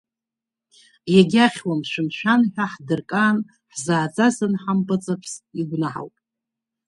Егьахьуам, шәымшәан ҳәа ҳдыркаан, ҳзааӡаз анҳампыҵаԥс, игәнаҳауп…